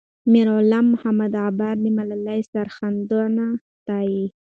میرغلام محمد غبار د ملالۍ سرښندنه ستايي.